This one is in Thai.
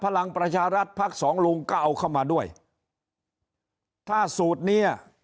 พลังประชารัฐพักสองลุงก็เอาเข้ามาด้วยถ้าสูตรเนี้ย